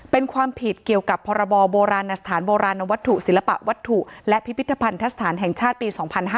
เป็นความผิดเกี่ยวกับพบนบนวศิลปะวัตถุและพิพิธภัณฑ์ทัศนแห่งชาติปี๒๕๐๔